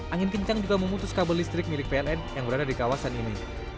angin kencang juga memutus kabel listrik milik pln yang berada di kawasan ini